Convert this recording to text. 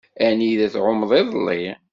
Anida i tɛummeḍ iḍelli?